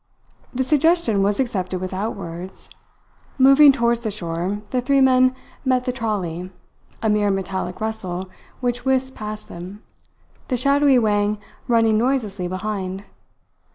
The suggestion was accepted without words. Moving towards the shore, the three men met the trolley, a mere metallic rustle which whisked past them, the shadowy Wang running noiselessly behind.